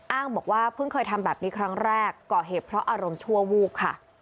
อ้างบอกว่าเพิ่งเคยทำแบบนี้ครั้งแรกก่อเหตุเพราะอารมณ์ชั่ววูบค่ะ